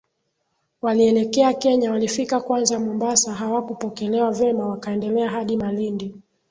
Walielekea Kenya walifika kwanza Mombasa hawakupokelewa vema wakaendelea hadi Malindi